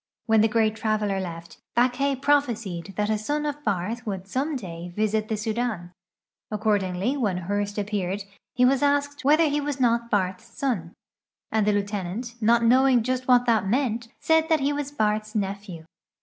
When the great traveler left, Backhay prophesied that a son of Barth would some day visit the Sudan. Accordingly when Ilourst aj) peared he was asked whether he was not Barth's son, and the lieutenant, not knowing just what that meant, said that he was I'arth's nephew.